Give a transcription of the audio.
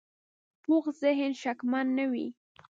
پوخ ذهن شکمن نه وي